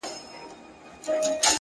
يارانو راټوليږی چي تعويذ ورڅخه واخلو _